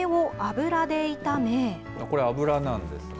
これ、油なんですね。